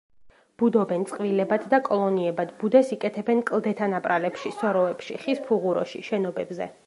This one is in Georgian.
ბუდობენ წყვილებად და კოლონიებად, ბუდეს იკეთებენ კლდეთა ნაპრალებში, სოროებში, ხის ფუღუროში, შენობებზე.